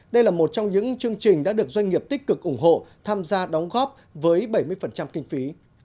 đây là một trong những chương trình đã được doanh nghiệp tích cực ủng hộ tham gia đóng góp với bảy mươi kinh phí